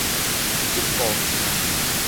蹐步行